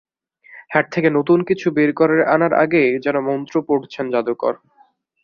Hat থেকে নতুন কিছু বের করে আনার আগে যেন মন্ত্র পড়ছেন জাদুকর।